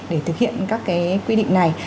để thực hiện các cái quy định này